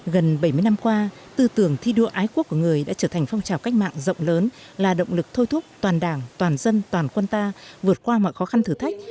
gần bảy mươi năm qua tư tưởng thi đua ái quốc của người đã trở thành phong trào cách mạng rộng lớn là động lực thôi thúc toàn đảng toàn dân toàn quân ta vượt qua mọi khó khăn thử thách